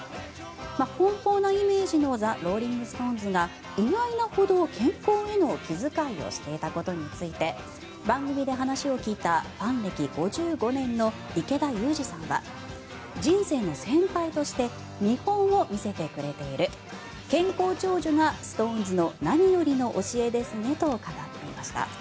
奔放なイメージのザ・ローリング・ストーンズが意外なほど健康への気遣いをしていたことについて番組で話を聞いたファン歴５５年の池田祐司さんは人生の先輩として見本を見せてくれている健康長寿がストーンズの何よりの教えですねと語っていました。